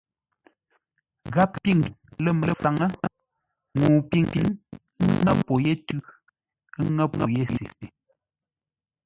Gháp pîŋ lə̂ məsáŋə́ ŋuu pîŋ, ə́ ŋə̂ pô yé tʉ́, ə́ ŋə̂ pô yé se.